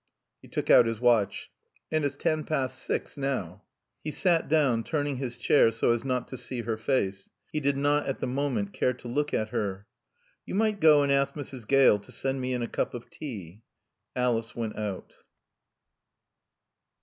He took out his watch. "And it's ten past six now." He sat down, turning his chair so as not to see her face. He did not, at the moment, care to look at her. "You might go and ask Mrs. Gale to send me in a cup of tea." Alice went out.